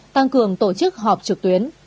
tăng cường tổ chức họp trực tuyến